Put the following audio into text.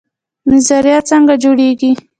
نظریه څنګه جوړیږي؟